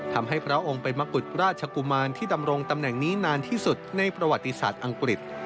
พระองค์เป็นมะกุฎราชกุมารที่ดำรงตำแหน่งนี้นานที่สุดในประวัติศาสตร์อังกฤษ